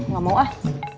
gak mau ah